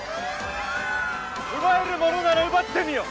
奪えるものなら奪ってみよ。